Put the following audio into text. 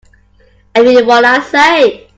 I mean what I say.